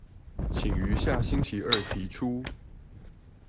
請於下星期二提出